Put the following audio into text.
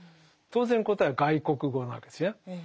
当然答えは「外国語」なわけですよね。